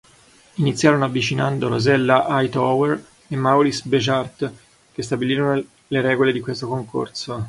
Iniziarono avvicinando Rosella Hightower e Maurice Béjart, che stabilirono le regole di questo concorso.